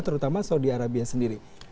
terutama saudi arabia sendiri